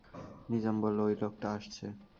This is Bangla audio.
নিজাম বলল, ঐ লোকটা আসছে।